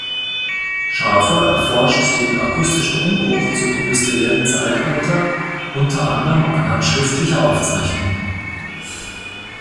Schafer erforscht den akustischen Umbruch zum industriellen Zeitalter unter anderem anhand schriftlicher Aufzeichnungen.